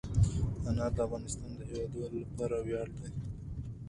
انار د افغانستان د هیوادوالو لپاره ویاړ دی.